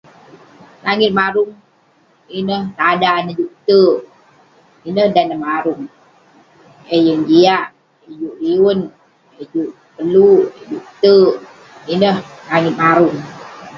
Langit marung ireh tada neh juk terk. Ineh dan neh marung, eh yeng jiak, eh juk liwen, eh juk terk peluuk, eh juk terk. Ineh langit marung.